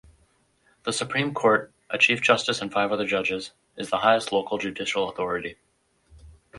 The Supreme Court-a chief justice and five other judges-is the highest local judicial authority.